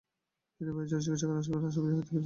বিধবা এই ঝড়ে চিকিৎসকের আসিবার আশা পরিত্যাগ করিয়াছেন।